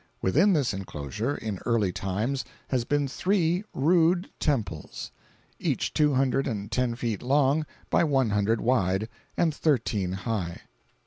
Within this inclosure, in early times, has been three rude temples; each two hundred and ten feet long by one hundred wide, and thirteen high.